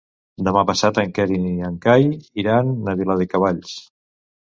Demà passat en Quer i en Cai iran a Viladecavalls.